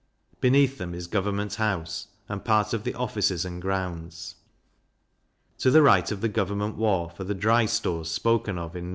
Beneath them is Government House, and part of the offices, and grounds. To the right of the Government wharf are the Dry Stores spoken of in No.